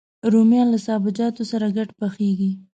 رومیان له سابهجاتو سره ګډ پخېږي